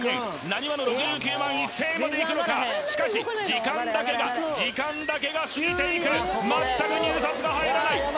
なにわの６９１０００円までいくのかしかし時間だけが時間だけが過ぎていく全く入札が入らない